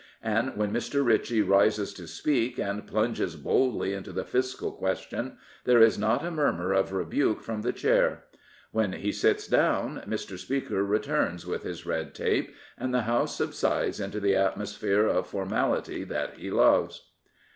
And when Mr. Ritchie rises to speak, and plunges boldly into the fiscal question, there is not a murmur of rebuke from the Chair. When he sits down, Mr. Speaker returns with his red tape, and the House subsides into the atmos phere of formality that he loves.